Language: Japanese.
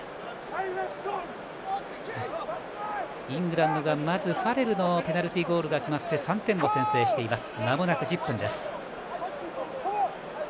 イングランドがまずファレルのペナルティーゴールが決まって３点を先制しています。